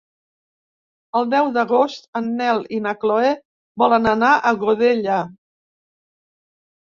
El deu d'agost en Nel i na Chloé volen anar a Godella.